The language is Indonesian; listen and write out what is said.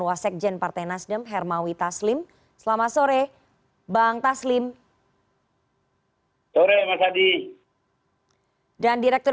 wasekjen partai nasdem hermawi taslim selamat sore bang taslim sore mas adi dan direktur